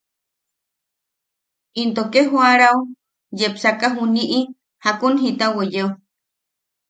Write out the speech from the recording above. Into ke jo’arao yepsaka, juni’i jakun jita weyeo…